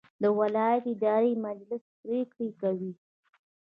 د ولایت اداري مجلس پریکړې کوي